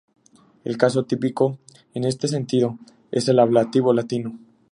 El caso típico en este sentido es el ablativo latino.